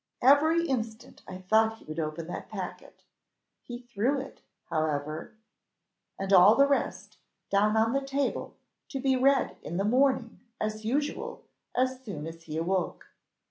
"Every instant I thought he would open that packet. He threw it, however, and all the rest, down on the table, to be read in the morning, as usual, as soon as he awoke.